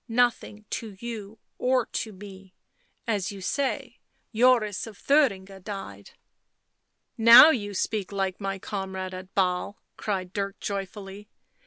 " Nothing to you or to me. ... As you say, Joris of Thuringia died." Now you speak like my comrade at Basle," cried Dirk joyfully.